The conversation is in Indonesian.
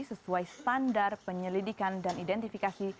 sesuai standar penyelidikan dan identifikasi